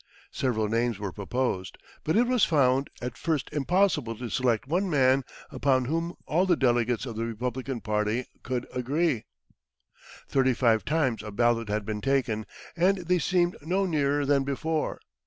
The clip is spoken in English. Several names were proposed, but it was found at first impossible to select one man upon whom all the delegates of the Republican party could agree. [Illustration: Mrs. James Garfield.] Thirty five times a ballot had been taken, and they seemed no nearer than before.